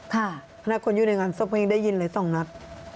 คณะคนอยู่ในงานศพเขาเองได้ยินเลย๒นัด